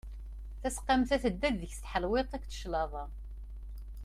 Tasqamt-a tedda deg-s tḥelwiḍt akked claḍa.